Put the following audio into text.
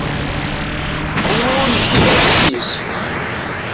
Anwa ur nektib ara isem-is?